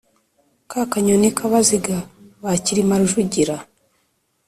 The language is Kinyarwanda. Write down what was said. ka Kanyoni ka Baziga ba Cyilima Rujugira